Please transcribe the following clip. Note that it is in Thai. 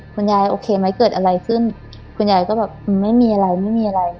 โอเคไหมเกิดอะไรขึ้นคุณยายก็แบบไม่มีอะไรไม่มีอะไร